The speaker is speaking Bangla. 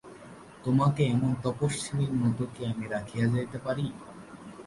তোমাকে এমন তপস্বিনীর মতো কি আমি রাখিয়া যাইতে পারি?